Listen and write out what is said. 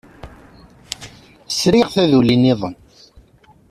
Sriɣ taduli niḍen.